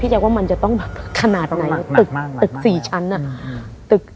พี่แจ๊กว่ามันจะต้องแบบขนาดไหนตึกตึกสี่ชั้นอ่ะอืม